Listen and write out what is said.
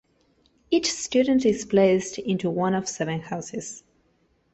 Each student is placed into one of seven houses.